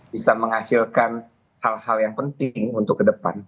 bisa menghasilkan hal hal yang penting untuk ke depan